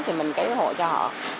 thì mình kế hộ cho họ